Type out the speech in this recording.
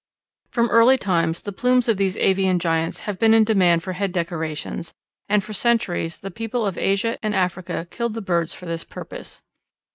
From early times the plumes of these avian giants have been in demand for head decorations, and for centuries the people of Asia and Africa killed the birds for this purpose.